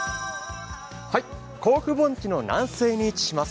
甲府盆地の南西に位置します